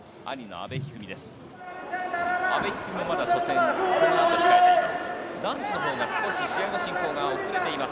阿部一二三も初戦をこのあと控えています。